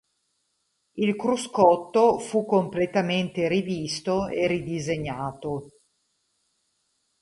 Il cruscotto fu completamente rivisto e ridisegnato.